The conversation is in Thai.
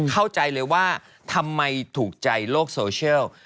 เข้าใจเลยว่าทำไมถูกใจโลกโซเชียล